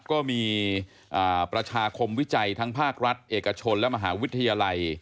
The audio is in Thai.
ก็มีประชาคมวิจัยทั้งภาครัฐเอกชนและมหาวิทยาลัย